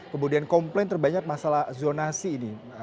kemudian komplain terbanyak masalah zonasi ini